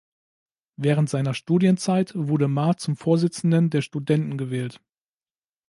Während seiner Studienzeit wurde Ma zum Vorsitzenden der Studenten gewählt.